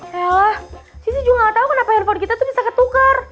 ya lah sisi juga ga tau kenapa handphone kita tuh bisa ketuker